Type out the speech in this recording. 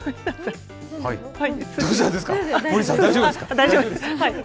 大丈夫です。